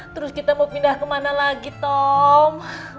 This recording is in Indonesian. terus kita mau pindah kemana lagi tom